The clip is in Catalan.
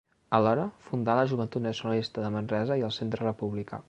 Alhora, fundà la Joventut Nacionalista de Manresa i el Centre Republicà.